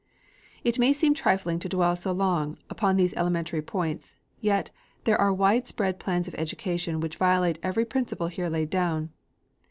It may seem trifling to dwell so long upon these elementary points. Yet there are wide spread plans of education which violate every principle here laid down.